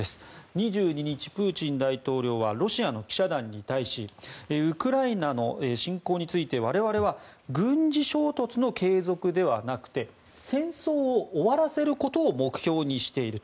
２２日、プーチン大統領はロシアの記者団に対しウクライナの侵攻について我々は軍事衝突の継続ではなくて戦争を終わらせることを目標にしていると。